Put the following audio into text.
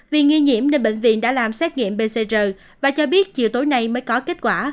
vì nghi nhiễm nên bệnh viện đã làm xét nghiệm pcr và cho biết chiều tối nay mới có kết quả